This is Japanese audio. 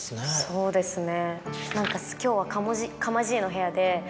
そうですね。